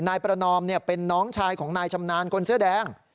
นายประนอมเป็นน้องชายของนายชำนาญคนเสื้อแดง